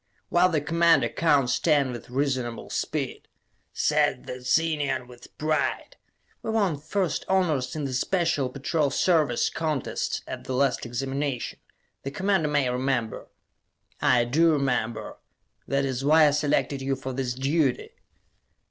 "While the Commander counts ten with reasonable speed," said the Zenian with pride. "We won first honors in the Special Patrol Service contests at the last Examination, the Commander may remember." "I do remember. That is why I selected you for this duty."